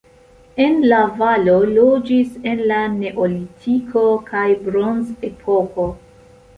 En la valo loĝis en la neolitiko kaj bronzepoko.